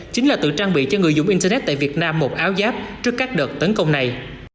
chính là tự trang bị cho người dùng internet tại việt nam một áo giáp trước các đợt tấn công này